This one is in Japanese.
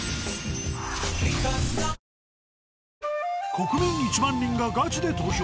国民１万人がガチで投票！